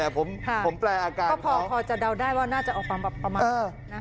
ผมแปลอาการเขาก็พอจะเดาได้ว่าน่าจะเอาความประมาณนี้นะ